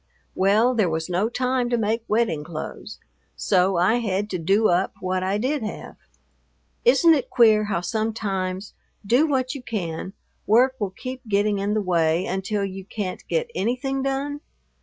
Well, there was no time to make wedding clothes, so I had to "do up" what I did have. Isn't it queer how sometimes, do what you can, work will keep getting in the way until you can't get anything done?